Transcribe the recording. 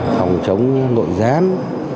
phòng chống nội giám giám đệ hợp biệt kích